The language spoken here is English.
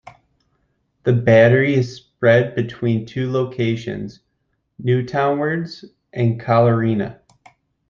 The battery is spread between two locations, Newtownards and Coleraine.